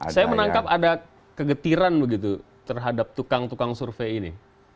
saya menangkap ada kegetiran begitu terhadap tukang tukang survei ini